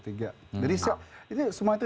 tiga jadi semua itu